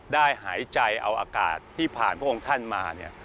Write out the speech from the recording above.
ได้หายใจเอาอากาศที่ผ่านพระองค์ท่านมา